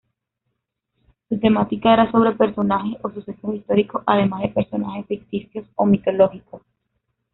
Su temática era sobre personajes o sucesos históricos además de personajes ficticios o mitológicos.